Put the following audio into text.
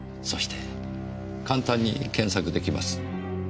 そして簡単に検索できます。